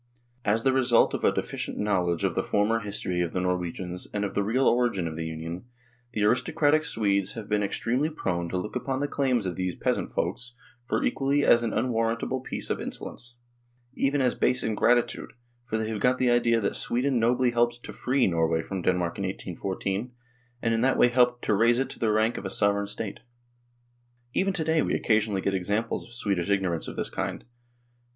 As the result of a deficient knowledge of the former history of the Norwegians and of the real origin of the Union, the aristocratic Swedes have been ex tremely prone to look upon the claims of these " peasant folks " for equality as an unwarrantable piece of insolence ; even as base ingratitude, for they have got the idea that Sweden nobly helped to "free" Norway from Denmark in 1814, and in that way helped " to raise it to the rank of a sovereign state." Even to day we occasionally get examples of Swedish ignorance of this kind.